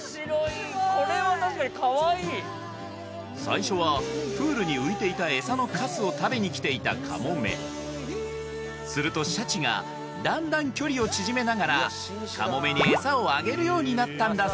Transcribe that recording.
最初はプールに浮いていたエサのカスを食べに来ていたカモメするとシャチがだんだん距離を縮めながらカモメにエサをあげるようになったんだ